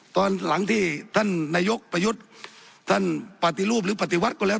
ตอนหลังที่ท่านนายกประยุทธ์ท่านปฏิรูปหรือปฏิวัติก็แล้ว